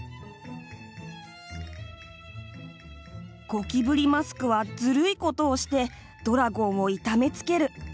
ゴキブリマスクはずるいことをしてドラゴンをいためつける。